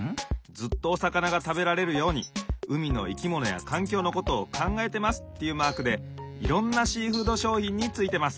・ずっとおさかながたべられるように海のいきものやかんきょうのことをかんがえてますっていうマークでいろんなシーフードしょうひんについてます。